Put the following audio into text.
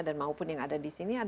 dan maupun yang ada disini